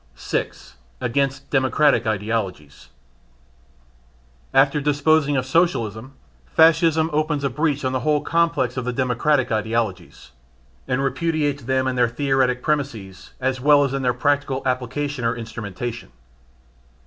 6. Against Democratic Ideologies. After disposing of Socialism, Fascism opens a breach on the whole complex of the democratic ideologies, and repudiates them in their theoretic premises as well as in their practical application or instrumentation.